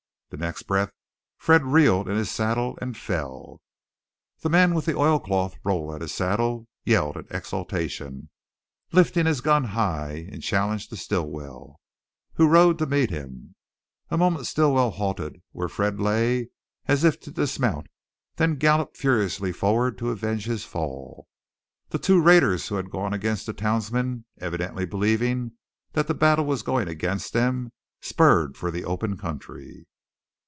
The next breath Fred reeled in his saddle and fell. The man with the oilcloth roll at his saddle yelled in exultation, lifting his gun high in challenge to Stilwell, who rode to meet him. A moment Stilwell halted where Fred lay, as if to dismount, then galloped furiously forward to avenge his fall. The two raiders who had gone against the townsmen, evidently believing that the battle was going against them, spurred for the open country.